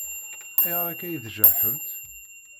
Ayɣer akka i tjaḥemt?